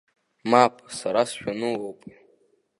Мап, сара сшәануоуп!